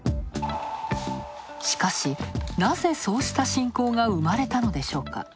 しかし、なぜそうした信仰が生まれたのでしょうか。